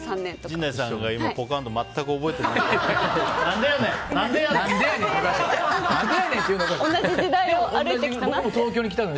陣内さんがポカンと全く覚えてない感じで。